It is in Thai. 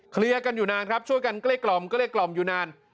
เคลียร์กันอยู่นานครับช่วยกันใกล้กล่อมก็เลยกล่อมอยู่นาน